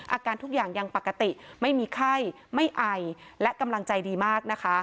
อาการทุกอย่างยังปกติไม่มีไข้ไม่ไอและกำลังใจดีมากนะคะ